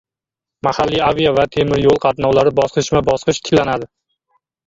Mahalliy avia va temir yo‘l qatnovlari bosqichma-bosqich tiklanadi